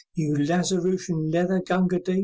You Lazarushian leather Gunga Din!